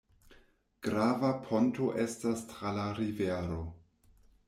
Grava ponto estas tra la rivero.